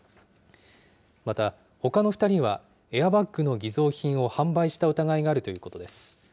また、ほかの２人はエアバッグの偽造品を販売した疑いがあるということです。